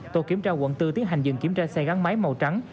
tổ kiểm tra quận bốn tiến hành dừng kiểm tra xe gắn máy màu trắng